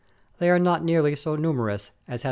They are not nearly so numerous as has been.